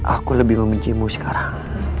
aku lebih membencimu sekarang